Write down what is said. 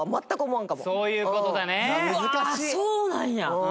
うわそうなんや！